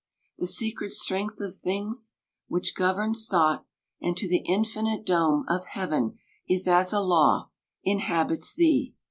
The secret strength of things Which governs thought, and to the infinite dome Of heaven is as a law, inhabits thee